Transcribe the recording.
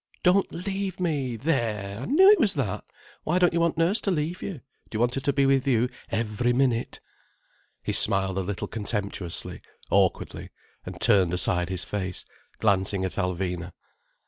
"Don't leave me! There, I knew it was that. Why don't you want Nurse to leave you? Do you want her to be with you every minute?" He smiled a little contemptuously, awkwardly, and turned aside his face, glancing at Alvina.